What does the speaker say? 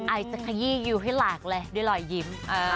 ไอจะขยี้ยิวให้หลากเลยด้วยรอยยิ้ม